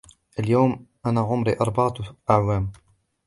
اليوم أنا عمري أربعة اعوام.